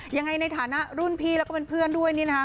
ในฐานะรุ่นพี่แล้วก็เป็นเพื่อนด้วยนี่นะคะ